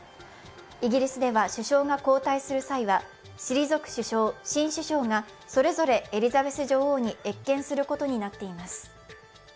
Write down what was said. イギリスでは首相が交代する際は退く首相、新首相がそれぞれエリザベス女王に謁見することになっています。